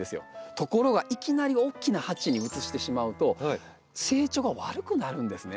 ところがいきなり大きな鉢に移してしまうと成長が悪くなるんですね。